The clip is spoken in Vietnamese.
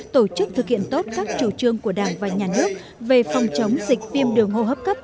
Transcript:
tổ chức thực hiện tốt các chủ trương của đảng và nhà nước về phòng chống dịch viêm đường hô hấp cấp